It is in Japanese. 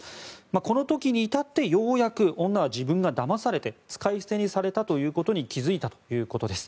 この時に至って、ようやく女は自分がだまされて使い捨てされたことに気付いたということです。